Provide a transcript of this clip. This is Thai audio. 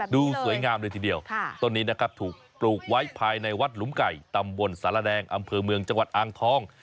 ดูสวยงามเลยทีเดียวต้นนี้นะครับถูกปลูกไว้ภายในวัดหลุมไก่ตำบลสารแดงอำเภอเมืองจังหวัดอ่างทอง